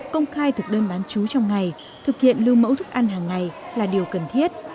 công khai thực đơn bán chú trong ngày thực hiện lưu mẫu thức ăn hàng ngày là điều cần thiết